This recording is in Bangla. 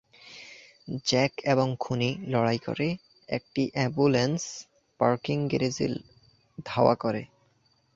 জ্যাক এবং খুনি লড়াই করে, একটি অ্যাম্বুলেন্স পার্কিং গ্যারেজে ধাওয়া করে।